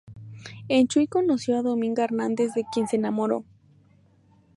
En Chuy conoció a Dominga Hernández de quien se enamoró.